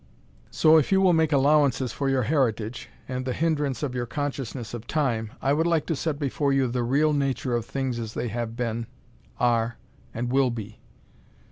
So if you will make allowances for your heritage, and the hindrance of your consciousness of Time, I would like to set before you the real nature of things as they have been, are, and will be.